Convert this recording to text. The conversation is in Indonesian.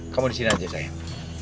kamu disini aja sayang